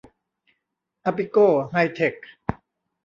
อาปิโก ไฮเทค